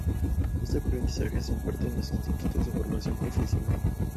Este aprendizaje se imparte en los institutos de formación profesional.